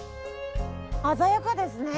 鮮やかですね。